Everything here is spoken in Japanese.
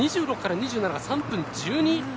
２６から２７が３分１２。